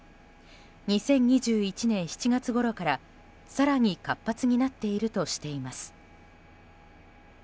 ２０２１年７月ごろから更に活発になっているとしています。